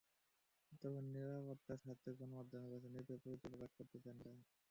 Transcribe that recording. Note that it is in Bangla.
তবে নিরাপত্তার স্বার্থে গণমাধ্যমের কাছে নিজেদের পরিচয় প্রকাশ করতে চাননি তাঁরা।